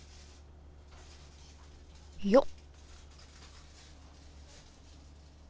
よっ。